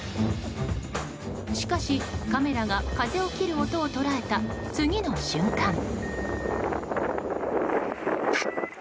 しかし、カメラが風を切る音を捉えた次の瞬間。